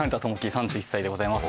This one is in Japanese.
３１歳でございます